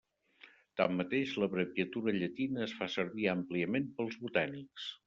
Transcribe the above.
Tanmateix, l'abreviatura llatina es fa servir àmpliament pels botànics.